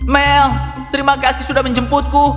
mels terima kasih sudah menjemputku